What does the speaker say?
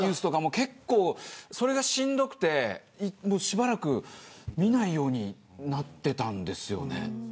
結構、それがしんどくてしばらく見ないようになってたんですよね。